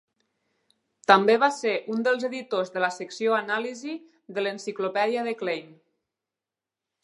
També va ser un dels editors de la secció "Anàlisi" de l'Enciclopèdia de Klein.